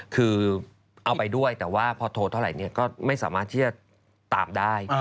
คือเอาไปด้วยแต่ว่าพอโทรเท่าไหร่ก็ไม่สามารถที่จะตามได้